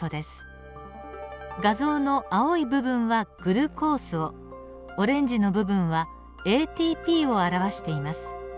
画像の青い部分はグルコースをオレンジの部分はＡＴＰを表しています。